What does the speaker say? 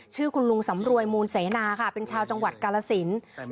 ชื่อคุณลุงสำรวยมูลเสนาค่ะเป็นชาวจังหวัดกาลสิน